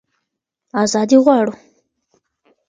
ازادي غواړو.